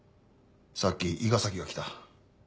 さっき伊賀崎が来た。